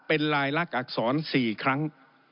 เป็นลายลักษณอักษร๔ครั้ง